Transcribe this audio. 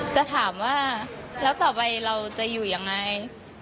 จะถามว่าแล้วต่อไปเราจะอยู่ยังไง